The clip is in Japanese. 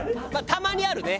たまにあるね。